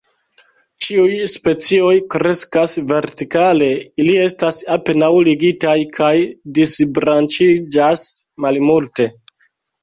Ĉiuj specioj kreskas vertikale, ili estas apenaŭ ligitaj kaj disbranĉiĝas malmulte.